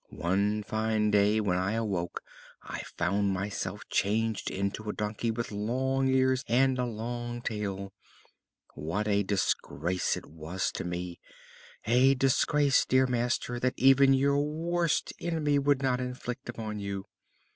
One fine day when I awoke I found myself changed into a donkey with long ears, and a long tail. What a disgrace it was to me! a disgrace, dear master, that even your worst enemy would not inflict upon you!